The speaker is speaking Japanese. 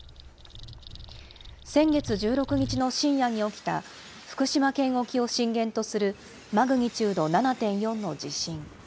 先月１６日の深夜に起きた福島県沖を震源とするマグニチュード７．４の地震。